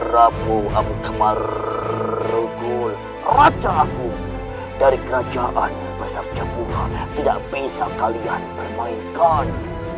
rabu amukamargul raja aku dari kerajaan besar jepuh tidak bisa kalian permainkan